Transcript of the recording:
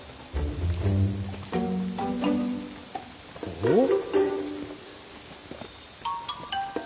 おっ。